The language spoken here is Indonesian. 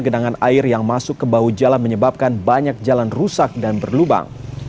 genangan air yang masuk ke bahu jalan menyebabkan banyak jalan rusak dan berlubang